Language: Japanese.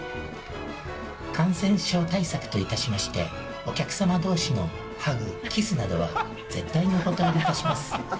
感染症対策といたしまして、お客様どうしのハグ、キスなどは、絶対にお断りいたします。